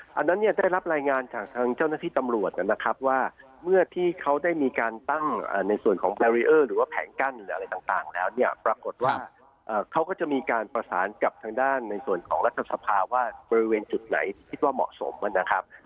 อันนั้นเนี่ยได้รับรายงานจากทางเจ้าหน้าที่ตำรวจนะครับว่าเมื่อที่เขาได้มีการตั้งในส่วนของแบรีเออร์หรือว่าแผงกั้นหรืออะไรต่างแล้วเนี่ยปรากฏว่าเขาก็จะมีการประสานกับทางด้านในส่วนของรัฐสภาว่าบริเวณจุดไหนที่คิดว่าเหมาะสมนะครับ